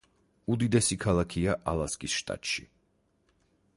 უდიდესი ქალაქია ალასკის შტატში.